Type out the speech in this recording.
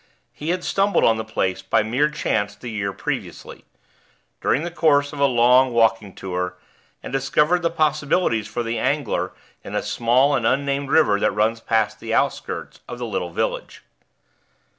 He had stumbled on the place by mere chance the year previously, during the course of a long walking tour, and discovered the possibilities for the angler in a small and unnamed river that runs past the outskirts of the little village.